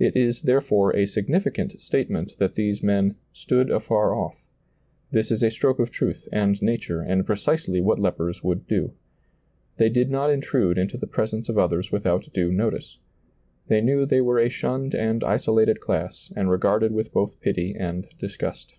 It is, therefore, a significant statement that these men "stood afar off"; this is a stroke of truth and nature, and precisely what lepers would do. They did not intrude into the presence of others with out due notice; they knew they were a shunned and isolated class and regarded with both pity and disgust.